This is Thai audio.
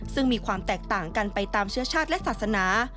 ซึ่งมีความแตกต่างกันไปตามเชื้อชาติและศาสนา